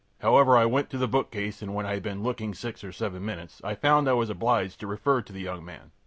However, I went to the bookcase, and when I had been looking six or seven minutes I found I was obliged to refer to the young man.